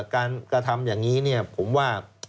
กระทำอย่างนี้ผมว่า